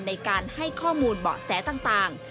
ในการให้ข้อมูลเบาะแสต่าง